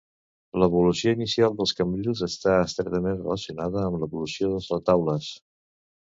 L'evolució inicial dels cambrils està estretament relacionada amb l'evolució dels retaules.